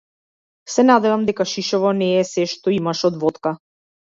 Се надевам дека шишево не е сѐ што имаш од водка.